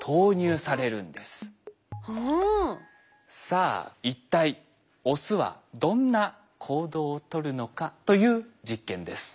さあ一体オスはどんな行動をとるのかという実験です。